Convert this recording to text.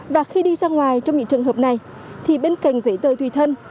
và khi đi ra ngoài trong những trường hợp này thì bên cạnh giấy tờ tùy thân